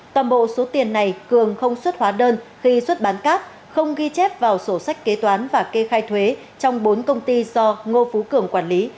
toàn bộ số tiền này cường không xuất hóa đơn khi xuất bán cát không ghi chép vào sổ sách kế toán và kê khai thuế trong bốn công ty do ngô phú cường quản lý